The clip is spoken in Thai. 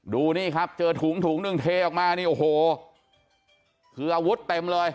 ดูนี่ครับเจอถุงถุงหนึ่งเทออกมานี่โอ้โหคืออาวุธเต็มเลย